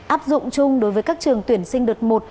áp dụng chung đối với các trường tuyển sinh đợt một